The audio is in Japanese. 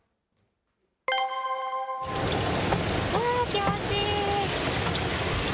気持ちいい。